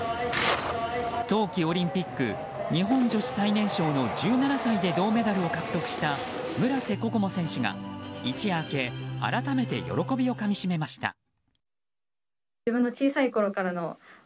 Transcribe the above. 冬季オリンピック日本女子最年少の１７歳で銅メダルを獲得した村瀬心椛選手が一夜明け改めて喜びをかみしめました。